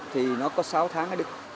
thì nó có sáu tháng nó đứt